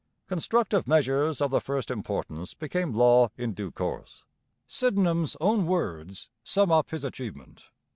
Constructive measures of the first importance became law in due course. Sydenham's own words sum up his achievement.